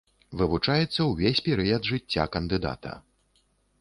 Вывучаецца ўвесь перыяд жыцця кандыдата.